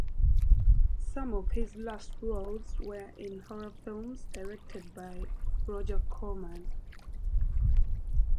Some of his last roles were in horror films directed by Roger Corman.